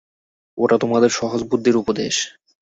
ওটা তোমাদের সহজবুদ্ধির উপদেশ।